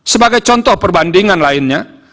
sebagai contoh perbandingan lainnya